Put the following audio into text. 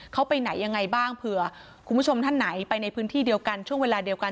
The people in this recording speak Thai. เขาไปไหนยังไงบ้างเผื่อคุณผู้ชมท่านไหนไปในพื้นที่เดียวกันช่วงเวลาเดียวกัน